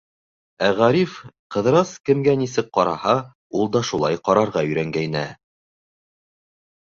Ә Ғариф, Ҡыҙырас кемгә нисек ҡараһа, ул да шулай ҡарарға өйрәнгәйне.